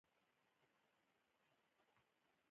دا د قران کریم او دیني روایتونو په استناد قبه الصخره ګڼي.